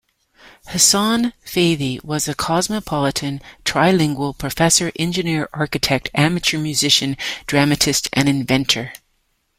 Hassan Fathy was a cosmopolitan trilingual professor-engineer-architect, amateur musician, dramatist, and inventor.